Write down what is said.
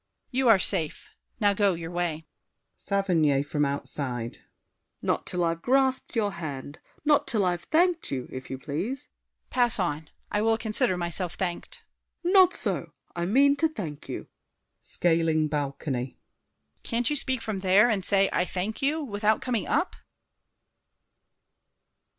You are safe; Now go your way! SAVERNY (from outside). Not 'til I've grasped your hand— Not 'til I've thanked you, if you please! DIDIER. Pass on! I will consider myself thanked. SAVERNY. Not so! I mean to thank you. [Scaling balcony. DIDIER. Can't you speak from there And say "I thank you" without coming up?